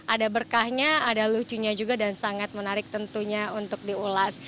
ada berkahnya ada lucunya juga dan sangat menarik tentunya untuk diulas